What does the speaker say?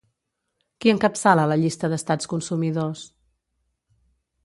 Qui encapçala la llista d'estats consumidors?